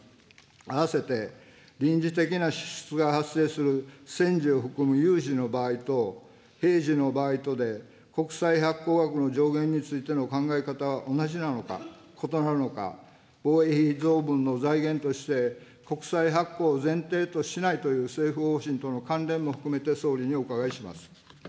あわせて、臨時的な支出が発生する戦時を含む有事の場合と、平時の場合とで国債発行額の上限についての考え方は同じなのか、異なるのか、防衛費増分の財源として、国債発行を前提としないという政府方針との関連も含めて総理にお伺いします。